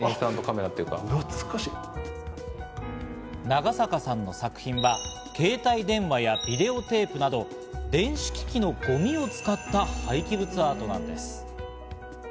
長坂さんの作品は携帯電話やビデオテープなど、電子機器のゴミを使った廃棄物アートなんです。